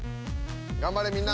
頑張れみんな。